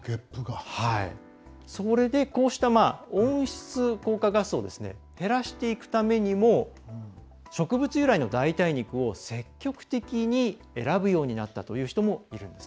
それで、こうした温室効果ガスを減らしていくためにも植物由来の代替肉を積極的に選ぶようになったという人もいるんです。